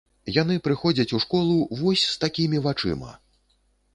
Яны прыходзяць у школу вось с такімі вачыма!